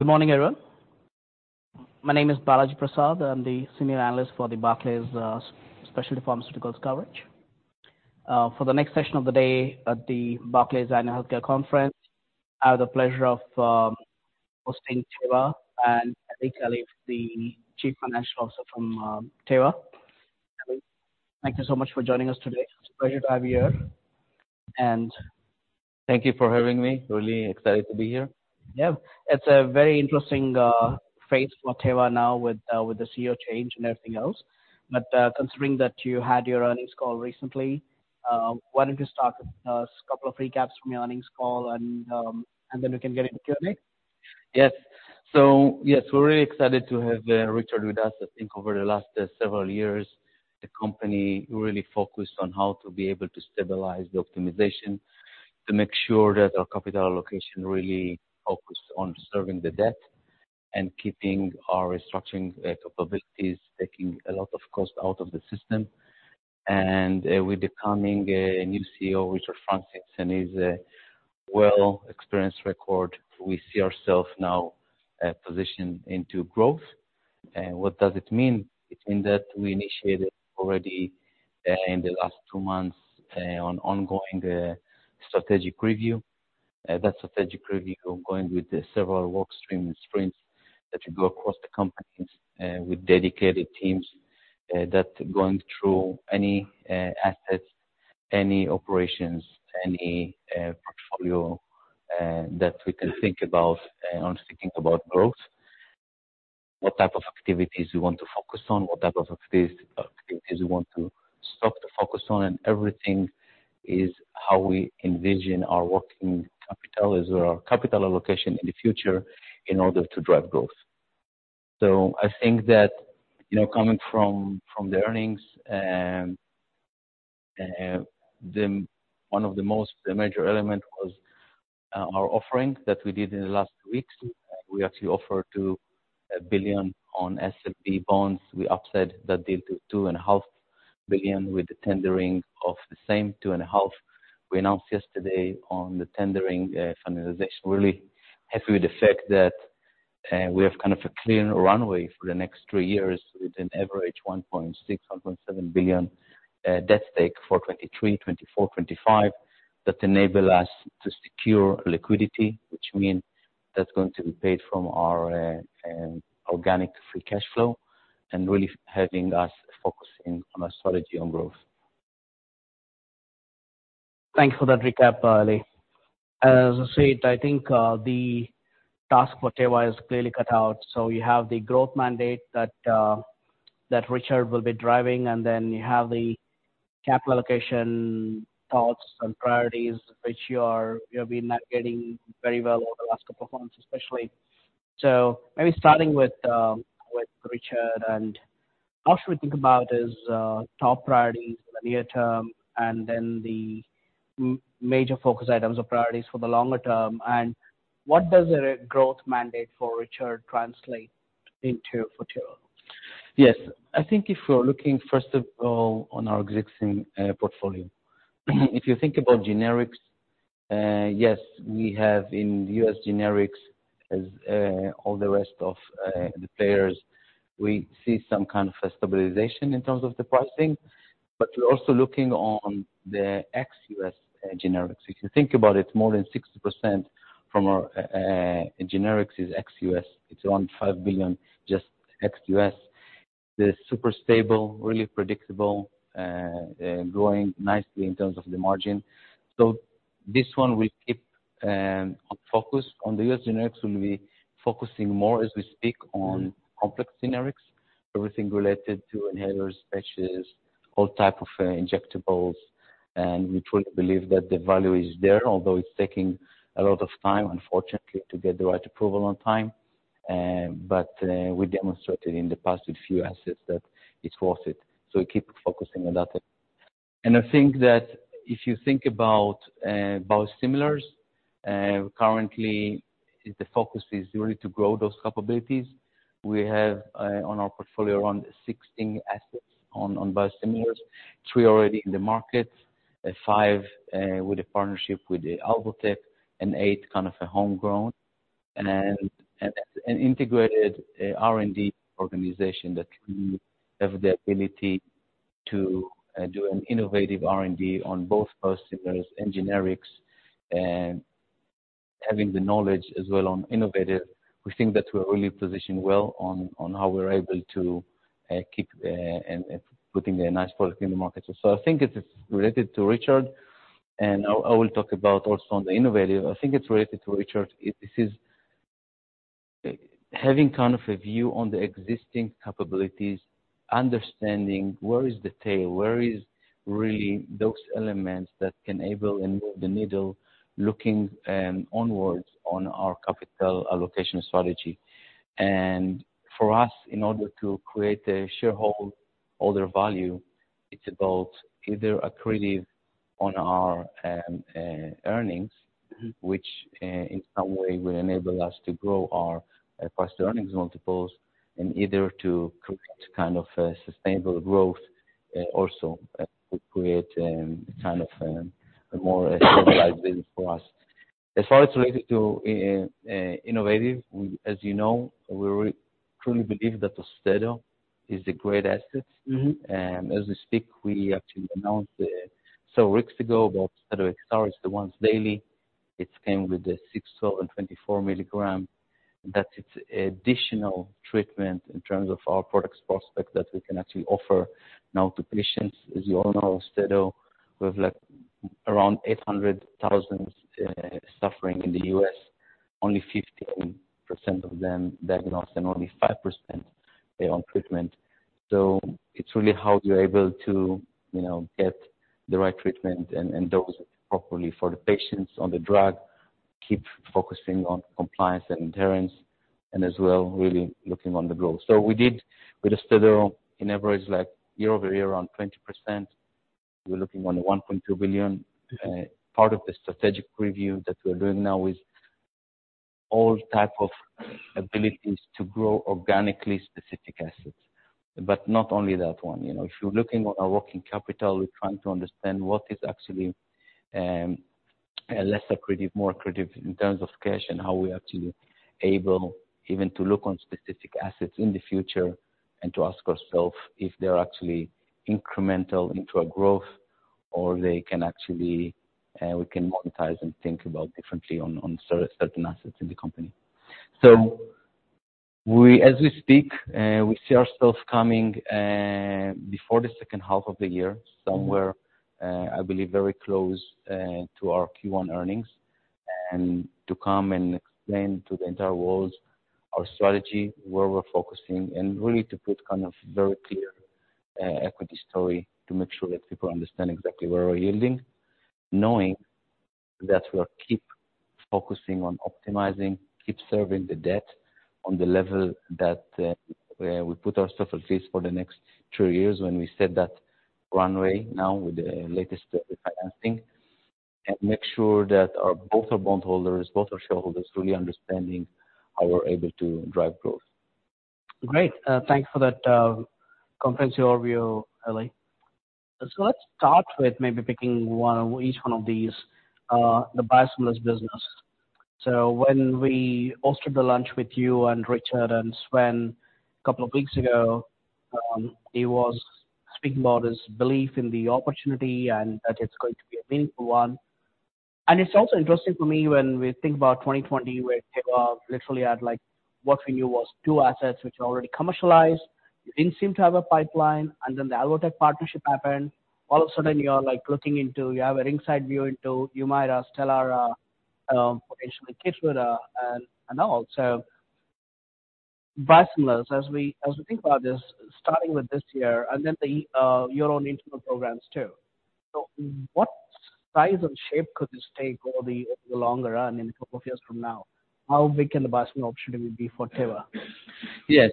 Good morning, everyone. My name is Balaji Prasad. I'm the Senior Analyst for the Barclays, Specialty Pharmaceuticals coverage. For the next session of the day at the Barclays Global Healthcare Conference, I have the pleasure of hosting Teva and Eli Kalif, the Chief Financial Officer from Teva. Eli, thank you so much for joining us today. It's a pleasure to have you here. Thank you for having me. Really excited to be here. Yeah. It's a very interesting phase for Teva now with the CEO change and everything else. Considering that you had your earnings call recently, why don't you start with a couple of recaps from your earnings call and then we can get into Q&A. Yes. Yes, we're really excited to have Richard with us. I think over the last several years, the company really focused on how to be able to stabilize the optimization to make sure that our capital allocation really focused on serving the debt and keeping our restructuring capabilities, taking a lot of cost out of the system. With the coming new CEO, Richard Francis, and his well experienced record, we see ourself now positioned into growth. What does it mean? It means that we initiated already in the last two months on ongoing strategic review. That strategic review ongoing with several work stream sprints that will go across the companies, with dedicated teams, that going through any assets, any operations, any portfolio that we can think about on thinking about growth. What type of activities we want to focus on, what type of activities we want to stop focus on, and everything is how we envision our working capital as well, our capital allocation in the future in order to drive growth. I think that, you know, coming from the earnings, one of the most major element was our offering that we did in the last weeks. We actually offered to $1 billion on Sustainability-Linked Bonds. We upset that deal to $2.5 billion with the tendering of the same $2.5 billion. We announced yesterday on the tendering finalization. Really happy with the fact that we have kind of a clear runway for the next three years with an average $1.6 billion-$1.7 billion debt stake for 2023, 2024, 2025, that enable us to secure liquidity, which mean that's going to be paid from our organic free cash flow and really helping us focus in on a strategy on growth. Thanks for that recap, Eli. As I said, I think, the task for Teva is clearly cut out. You have the growth mandate that Richard will be driving, and then you have the capital allocation thoughts and priorities, which you've been navigating very well over the last couple of months, especially. Maybe starting with Richard and how should we think about his top priorities for the near term and then the major focus items or priorities for the longer term, what does a growth mandate for Richard translate into for Teva? Yes. I think if we're looking, first of all, on our existing portfolio. If you think about generics, yes, we have in U.S. generics as all the rest of the players, we see some kind of a stabilization in terms of the pricing, but we're also looking on the ex-U.S. generics. If you think about it, more than 60% from our generics is ex-U.S. It's around $5 billion, just ex-U.S. They're super stable, really predictable, growing nicely in terms of the margin. This one we keep on focus. On the U.S. generics, we'll be focusing more as we speak on complex generics, everything related to inhalers, patches, all type of injectables. We truly believe that the value is there, although it's taking a lot of time, unfortunately, to get the right approval on time. We demonstrated in the past with few assets that it's worth it. We keep focusing on that. I think that if you think about biosimilars, currently the focus is really to grow those capabilities. We have on our portfolio around 16 assets on biosimilars, three already in the market, five with a partnership with Alvotech, and eight kind of homegrown. An integrated R&D organization that we have the ability to do an innovative R&D on both biosimilars and generics. Having the knowledge as well on innovative, we think that we're really positioned well on how we're able to keep putting a nice product in the market. I think it is related to Richard, and I will talk about also on the innovative. I think it's related to Richard. It is having kind of a view on the existing capabilities, understanding where is the tail, where is really those elements that can able and move the needle, looking onwards on our capital allocation strategy. For us, in order to create a shareholder value, it's about either accretive on our earnings, which in some way will enable us to grow our price to earnings multiples and either to create kind of a sustainable growth. Also will create kind of a more stabilized business for us. As far as related to innovative, as you know, we truly believe that AUSTEDO is a great asset. Mm-hmm. As we speak, we actually announced several weeks ago about AUSTEDO XR, it's the once daily. It came with the 624 mg. It's additional treatment in terms of our products prospect that we can actually offer now to patients. As you all know, AUSTEDO, we have, like, around 800,000 suffering in the U.S. Only 15% of them diagnosed and only 5% be on treatment. It's really how you're able to, you know, get the right treatment and dose it properly for the patients on the drug, keep focusing on compliance and adherence, and as well, really looking on the growth. We did with AUSTEDO in average, like year-over-year, around 20%. We're looking on a $1.2 billion. Part of the strategic review that we're doing now is all type of abilities to grow organically specific assets. Not only that one. You know, if you're looking on our working capital, we're trying to understand what is actually less accretive, more accretive in terms of cash and how we're actually able even to look on specific assets in the future and to ask ourselves if they're actually incremental into our growth or they can actually we can monetize and think about differently on certain assets in the company. We, as we speak, we see ourselves coming before the second half of the year somewhere, I believe very close to our Q1 earnings. To come and explain to the entire world our strategy, where we're focusing and really to put kind of very clear equity story to make sure that people understand exactly where we're yielding. Knowing that we'll keep focusing on optimizing, keep serving the debt on the level that we put ourselves at least for the next two years when we set that runway now with the latest refinancing. Make sure that both our bondholders, both our shareholders really understanding how we're able to drive growth. Great. Thanks for that comprehensive overview, Eli. Let's start with maybe picking one, each one of these, the biosimilars business. When we hosted the lunch with you and Richard and Sven a couple of weeks ago, he was speaking about his belief in the opportunity and that it's going to be a meaningful one. It's also interesting for me when we think about 2020, where Teva literally had like, what we knew was two assets which were already commercialized. You didn't seem to have a pipeline, and then the Alvotech partnership happened. All of a sudden, you are like looking into, you have an inside view into Humira, Stelara, potentially Keytruda and all. biosimilars, as we think about this, starting with this year and then the your own internal programs too. What size and shape could this take over the longer run in a couple of years from now? How big can the biosimilar opportunity be for Teva? Yeah.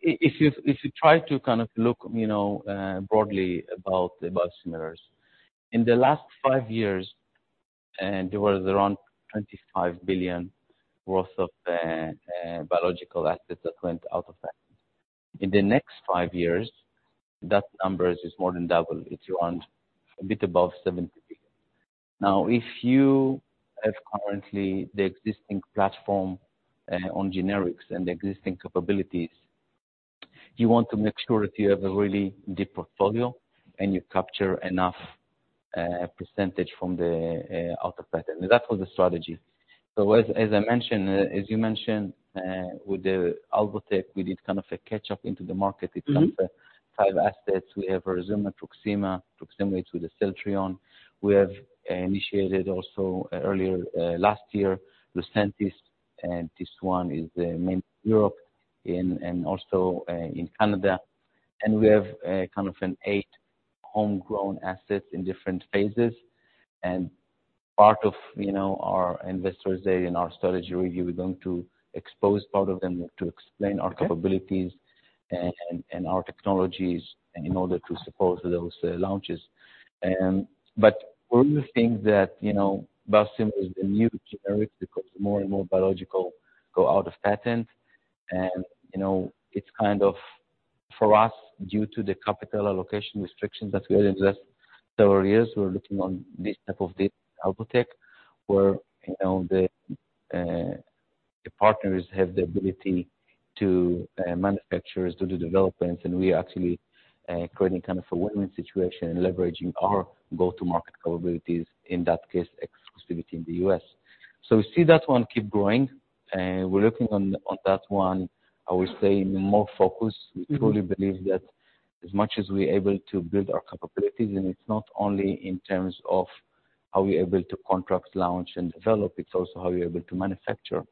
If you try to kind of look, you know, broadly about the biosimilars. In the last five years, there was around $25 billion worth of biological assets that went out of patent. In the next five years, that number is more than double. It's around a bit above $70 billion. If you have currently the existing platform on generics and the existing capabilities, you want to make sure that you have a really deep portfolio and you capture enough percentage from the out of patent. That was the strategy. As I mentioned, as you mentioned, with the Alvotech, we did kind of a catch up into the market. Mm-hmm. It's kind of five assets. We have Rituximab, Truxima with the Celltrion. We have initiated also earlier last year, Lucentis, and this one is mainly Europe and also in Canada. We have kind of an eight homegrown assets in different phases. Part of, you know, our investors day and our strategy review, we're going to expose part of them to explain our capabilities and our technologies in order to support those launches. One of the things that, you know, biosimilar is the new generic because more and more biological go out of patent. You know, it's kind of, for us, due to the capital allocation restrictions that we had in the last several years, we're looking on this type of deal, Alvotech, where, you know, the partners have the ability to manufacture, do the developments, and we're actually creating kind of a win-win situation and leveraging our go-to-market capabilities, in that case, exclusivity in the U.S. We see that one keep growing, we're working on that one, I would say more focused. Mm-hmm. We truly believe that as much as we're able to build our capabilities, and it's not only in terms of how we're able to contract, launch and develop, it's also how you're able to manufacture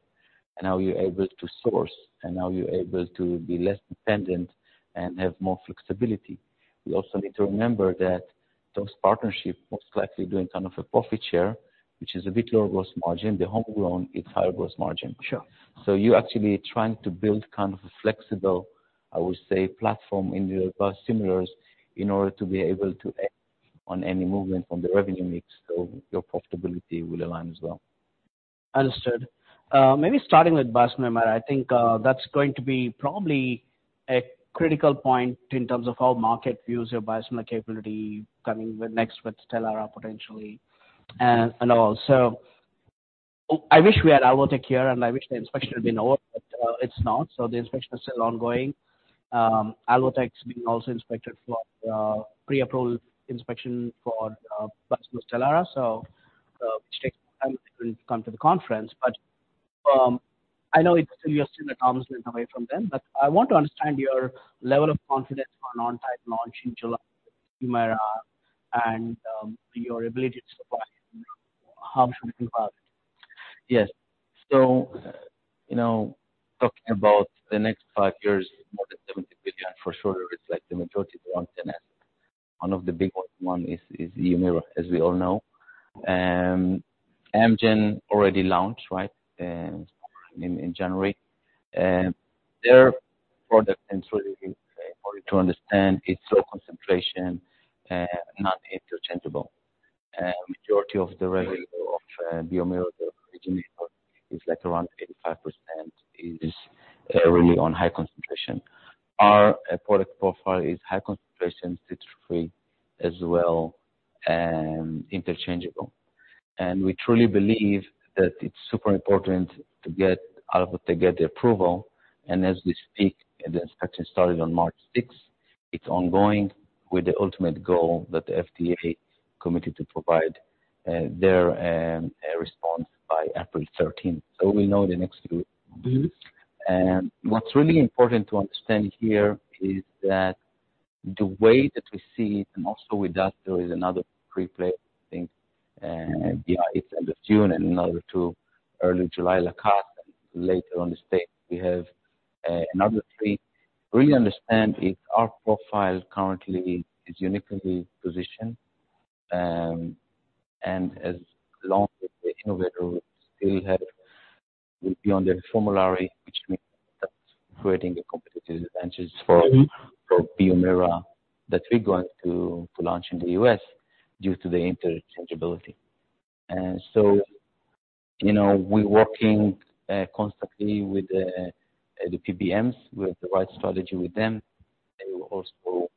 and how you're able to source and how you're able to be less dependent and have more flexibility. We also need to remember that those partnerships most likely doing kind of a profit share, which is a bit lower gross margin. The homegrown, it's higher gross margin. Sure. You're actually trying to build kind of a flexible, I would say, platform in your biosimilars in order to be able to act on any movement from the revenue mix, so your profitability will align as well. Understood. Maybe starting with biosimilar, I think, that's going to be probably a critical point in terms of how market views your biosimilar capability coming with next with Stelara potentially and also. Oh, I wish we had Alvotech here, and I wish the inspection had been over, but it's not. The inspection is still ongoing. Alvotech is being also inspected for pre-approval inspection for biosimilar Stelara. Which takes time to come to the conference. I know it's still, you're still a couple of months away from them, but I want to understand your level of confidence for an on-time launch in July, Humira, and your ability to supply. How should we think about it? Yes. You know, talking about the next five years, more than $70 billion for sure, it's like the majority is around 10S. One of the big one is Humira, as we all know. Amgen already launched, right? In January. Their product, for you to understand, it's low concentration, not interchangeable. Majority of the revenue of Humira, the originator, is like around 85% is really on high concentration. Our product profile is high concentration, citrate-free as well, and interchangeable. We truly believe that it's super important to get Alvotech to get the approval. As we speak, the inspection started on March 6th. It's ongoing with the ultimate goal that the FDA committed to provide their response by April 13th. We know the next few. What's really important to understand here is that the way that we see it, and also with that there is another pre-play, I think, yeah it's end of June and another two early July, later on the state we have another three. Really understand is our profile currently is uniquely positioned, and as long as the innovator will still be on their formulary, which means that's creating a competitive advantage. Mm-hmm. For Humira that we're going to launch in the U.S. due to the interchangeability. You know, we're working constantly with the PBMs. We have the right strategy with them. They will also,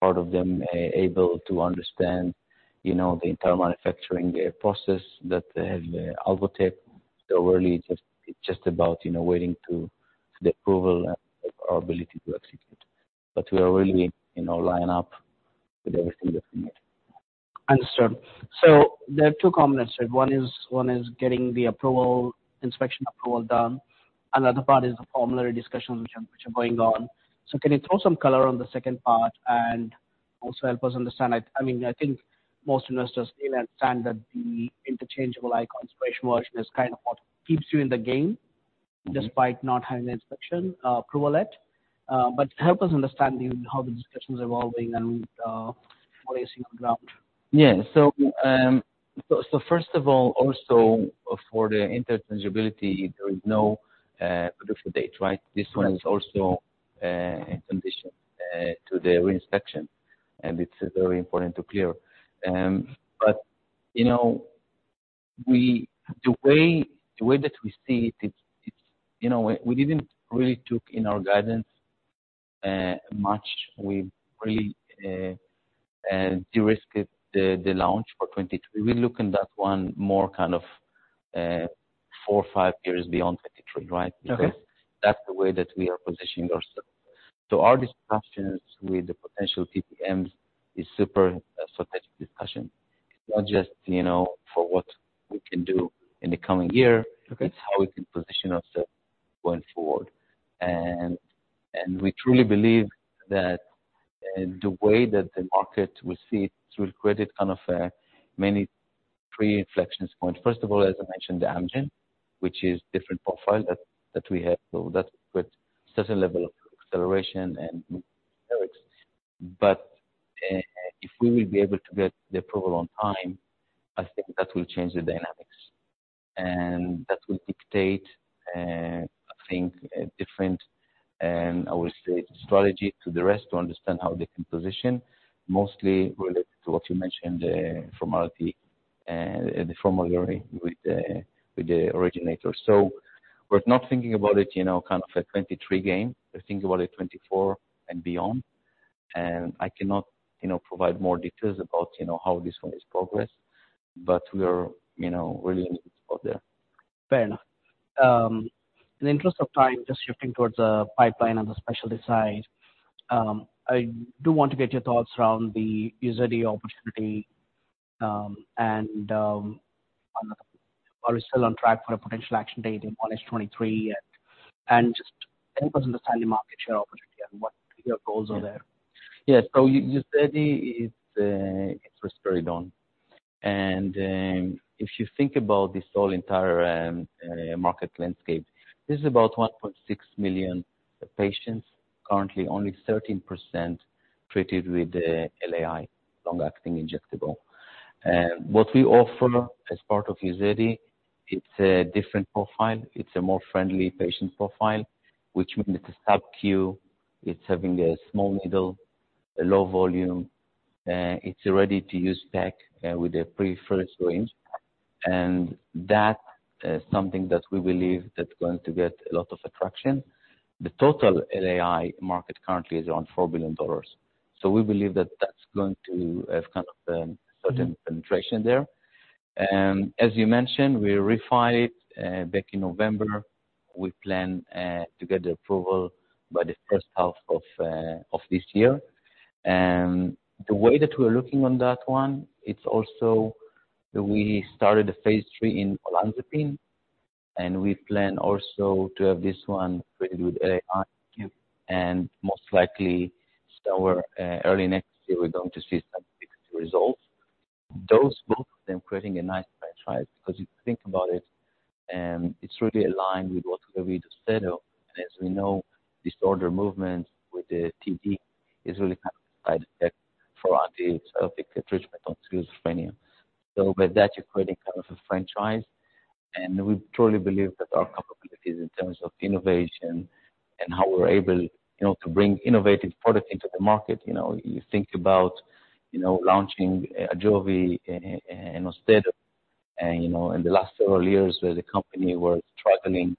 part of them, able to understand, you know, the entire manufacturing process that has Alvotech. Really just, it's just about, you know, waiting to the approval and our ability to execute. We are really, you know, line up with everything that we need. Understood. There are two comments there. One is getting the approval, inspection approval done. Another part is the formulary discussions which are going on. Can you throw some color on the second part and also help us understand? I mean, I think most investors still understand that the interchangeable icon special version is kind of what keeps you in the game despite not having the inspection approval yet. But help us understand the, how the discussion is evolving and, where you see on ground. First of all, also for the interchangeability, there is no production date, right? This one is also in condition to the re-inspection, and it's very important to clear. You know, the way that we see it's, you know, we didn't really took in our guidance much. We really de-risked the launch for 2022. We look in that one more kind of four or five years beyond 2023, right? Okay. Because that's the way that we are positioning ourselves. Our discussions with the potential PBMs is super strategic discussion. It's not just, you know, for what we can do in the coming year. Okay. It's how we can position ourselves going forward. We truly believe that the way that the market will see it will create a kind of a many pre-inflection point. First of all, as I mentioned, the Amgen, which is different profile that we have. That with certain level of acceleration. If we will be able to get the approval on time, I think that will change the dynamics. That will dictate, I think a different, I would say strategy to the rest to understand how they can position mostly related to what you mentioned, the formality, the formulary with the originator. We're not thinking about it, you know, kind of a 2023 game. We're thinking about a 2024 and beyond. I cannot, you know, provide more details about, you know, how this one is progressed, but we're, you know, really out there. Fair enough. In the interest of time, just shifting towards the pipeline on the specialty side. I do want to get your thoughts around the UZEDY opportunity, and are we still on track for a potential action date in 1S 2023? Just help us understand the market share opportunity and what your goals are there. Yeah. UZEDY is, it's risperidone. If you think about this whole entire market landscape, this is about 1.6 million patients. Currently only 13% treated with LAI, long-acting injectable. What we offer as part of UZEDY, it's a different profile. It's a more friendly patient profile, which means it's a sub-Q. It's having a small needle, a low volume. It's a ready-to-use pack with a pre-filled syringe, and that is something that we believe that's going to get a lot of attraction. The total LAI market currently is around $4 billion. We believe that that's going to have kind of a certain penetration there. As you mentioned, we refiled it back in November. We plan to get the approval by the first half of this year. The way that we're looking on that one, it's also we started the phase III in olanzapine, and we plan also to have this one ready with LAI, and most likely somewhere, early next year, we're going to see some results. Those both of them creating a nice franchise because if you think about it's really aligned with what we do, Cinqaero. As we know, disorder movement with the TD is really kind of a side effect for our treatment on schizophrenia. With that, you're creating kind of a franchise, and we truly believe that our capabilities in terms of innovation and how we're able, you know, to bring innovative product into the market. You know, you think about, you know, launching Ajovy and AUSTEDO. you know, in the last several years, where the company was struggling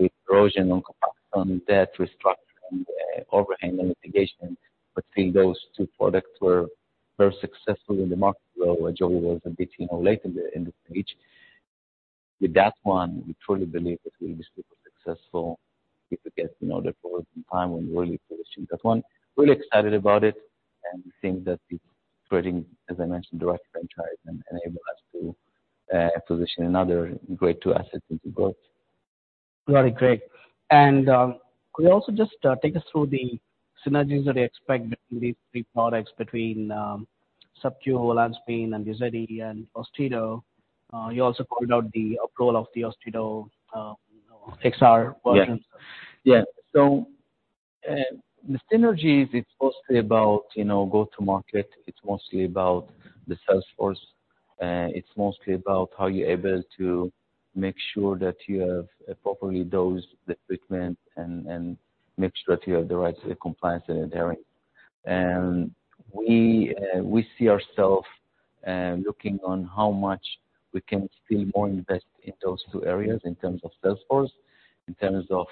with erosion on capacity and debt restructuring, overhang and litigation. Still those two products were very successful in the market, where AJOVY was a bit, you know, late in the, in the page. With that one, we truly believe it will be super successful if it gets, you know, the approval in time. We're really pushing that one. Really excited about it, and we think that it's creating, as I mentioned, the right franchise and enable us to position another grade two asset into growth. Got it. Great. Could you also just take us through the synergies that you expect between these three products, between subcutaneous olanzapine and VYEPTI and AUSTEDO? You also called out the approval of the AUSTEDO, you know, XR version. Yeah. The synergies, it's mostly about, you know, go to market. It's mostly about the sales force. It's mostly about how you're able to make sure that you have properly dosed the treatment and make sure that you have the right compliance and adhering. We, we see ourself looking on how much we can still more invest in those two areas in terms of sales force, in terms of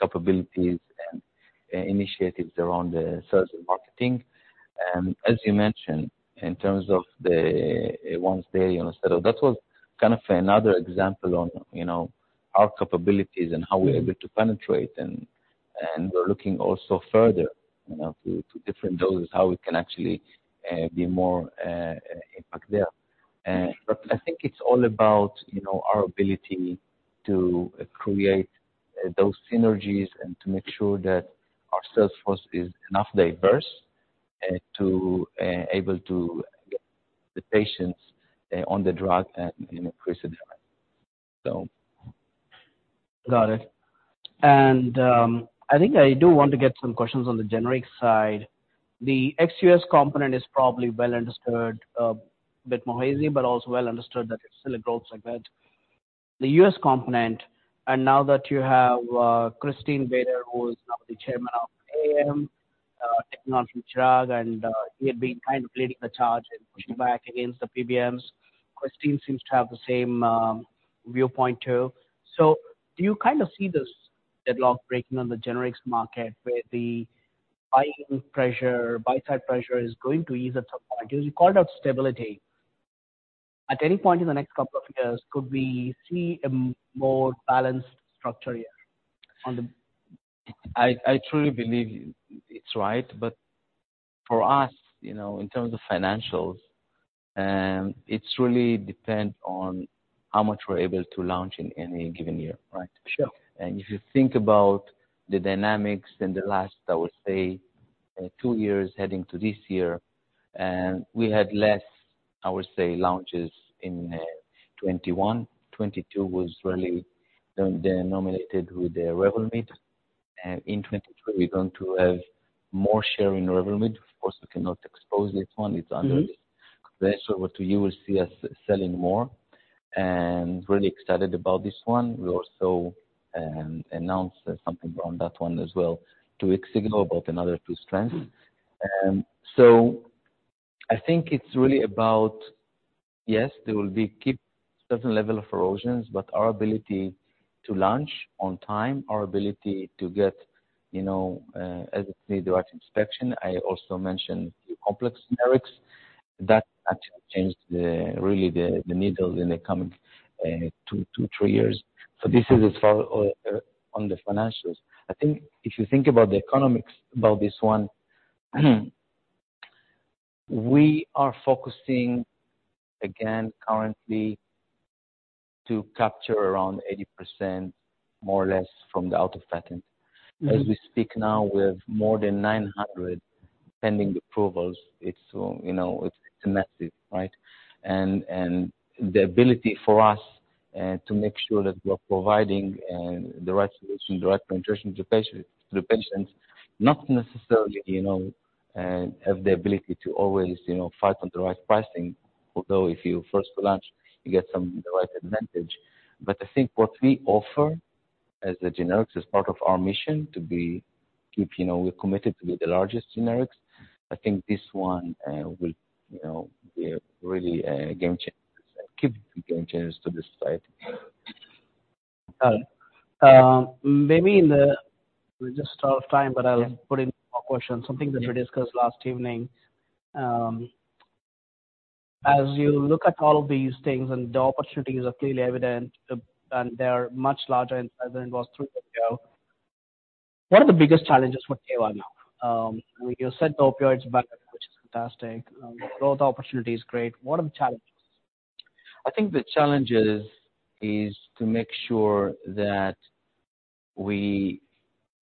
capabilities and initiatives around the sales and marketing. As you mentioned, in terms of the once daily AUSTEDO, that was kind of another example on, you know, our capabilities and how we're able to penetrate and we're looking also further, you know, to different doses, how we can actually be more impact there. I think it's all about, you know, our ability to create those synergies and to make sure that our sales force is enough diverse, to able to get the patients on the drug and increase adherence. So. Got it. I think I do want to get some questions on the generic side. The ex-U.S. Component is probably well understood, bit more hazy, but also well understood that it's still a growth segment. The U.S. component, and now that you have Christine Baeder, who is now the Chairman of AAM, taking on from Drug and he had been kind of leading the charge in pushing back against the PBMs. Christine seems to have the same viewpoint too. Do you kind of see this deadlock breaking on the generics market where the buying pressure, buy-side pressure is going to ease at some point? You called out stability. At any point in the next couple of years, could we see a more balanced structure here on the- I truly believe it's right. For us, you know, in terms of financials, it's really depend on how much we're able to launch in any given year, right? Sure. If you think about the dynamics in the last, I would say, two years heading to this year, and we had less, I would say, launches in 2021. 2022 was really dominated with the Revlimid, and in 2023, we're going to have more share in Revlimid. Of course, we cannot expose this one. It's under this. Mm-hmm. What you will see us selling more and really excited about this one. We also announced something on that one as well to signal about another two strengths. I think it's really about, yes, there will be keep certain level of erosions, but our ability to launch on time, our ability to get, you know, as it's needed, right, inspection. I also mentioned few complex generics that actually changed the, really the needle in the coming, two to three years. This is as far on the financials. I think if you think about the economics about this one we are focusing again currently to capture around 80% more or less from the out of patent. Mm-hmm. As we speak now, we have more than 900 pending approvals. It's, you know, it's massive, right? The ability for us to make sure that we're providing the right solution, the right penetration to the patients, not necessarily, you know, have the ability to always, you know, fight on the right pricing. Although if you first to launch, you get some, the right advantage. I think what we offer as the generics is part of our mission to be, you know, we're committed to be the largest generics. I think this one will, you know, be a really game changers and keep being game changers to this site. Got it. Maybe in the... We're just out of time- Yeah. I'll put in more questions. Something that we discussed last evening. As you look at all of these things and the opportunities are clearly evident, they are much larger than it was three years ago, what are the biggest challenges for Teva now? You said the opioids backend, which is fantastic. Growth opportunity is great. What are the challenges? I think the challenge is to make sure that we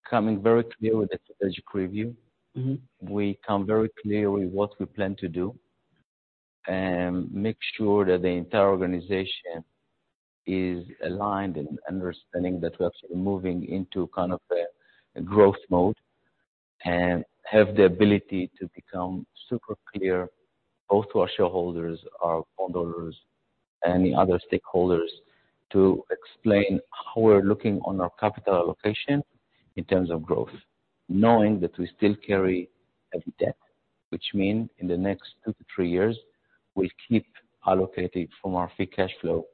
coming very clear with the strategic review. Mm-hmm. We come very clear with what we plan to do and make sure that the entire organization is aligned and understanding that we're actually moving into kind of a growth mode, and have the ability to become super clear, both to our shareholders, our bondholders, any other stakeholders, to explain how we're looking on our capital allocation in terms of growth. Knowing that we still carry heavy debt, which mean in the next two to three years, we keep allocating from our free cash flow,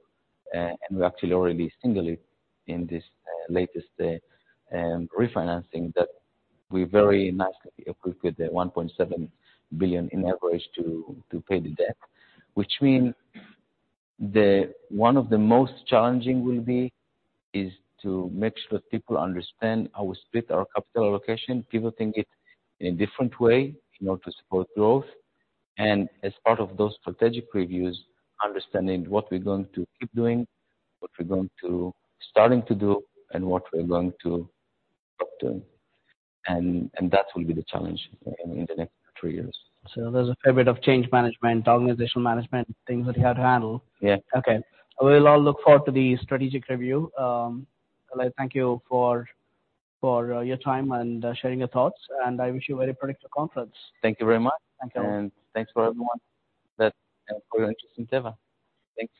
and we actually already signaled it in this latest refinancing that we very nicely equipped with the $1.7 billion in average to pay the debt. Which mean one of the most challenging will be to make sure people understand how we split our capital allocation. People think it in a different way, you know, to support growth. As part of those strategic reviews, understanding what we're going to keep doing, what we're going to starting to do, and what we're going to stop doing. That will be the challenge in the next three years. There's a fair bit of change management, organizational management, things that you have to handle. Yeah. Okay. We'll all look forward to the strategic review. Eli, thank you for your time and sharing your thoughts, and I wish you a very productive conference. Thank you very much. Thank you. Thanks for everyone that, for your interest in Teva. Thank you.